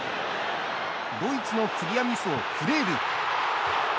ドイツのクリアミスをフレール。